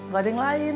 gak ada yang lain